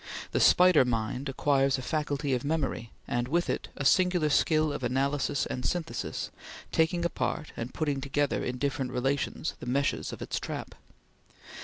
The spider mind acquires a faculty of memory, and, with it, a singular skill of analysis and synthesis, taking apart and putting together in different relations the meshes of its trap.